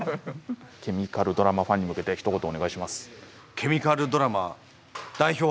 ケミカルドラマファンに向けてひと言お願いします。